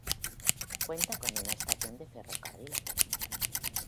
Cuenta con una estación de ferrocarril.